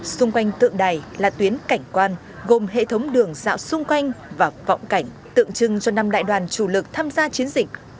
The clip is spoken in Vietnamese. xung quanh tượng đài là tuyến cảnh quan gồm hệ thống đường dạo xung quanh và vọng cảnh tượng trưng cho năm đại đoàn chủ lực tham gia chiến dịch